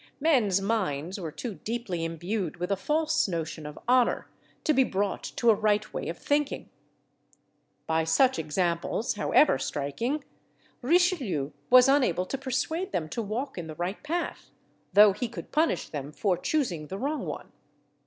Men's minds were too deeply imbued with a false notion of honour to be brought to a right way of thinking: by such examples, however striking, Richelieu was unable to persuade them to walk in the right path, though he could punish them for choosing the wrong one.